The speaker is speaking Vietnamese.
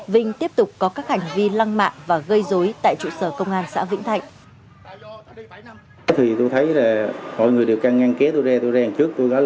vinh tiếp tục có các hành vi lăng mạ và gây dối tại trụ sở công an xã vĩnh thạnh